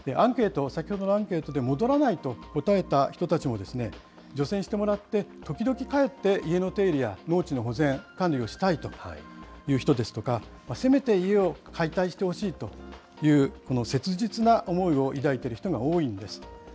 先ほどのアンケートで、戻らないと答えた人たちも、除染してもらって、時々帰って、家の手入れや、農地の保全、管理をしたいという人ですとか、せめて家を解体してほしいという、この切実な思いを抱いている人が多いんです。